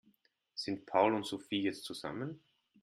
Sind Paul und Sophie jetzt zusammen?